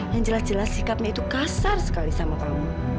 yang jelas jelas sikapnya itu kasar sekali sama kamu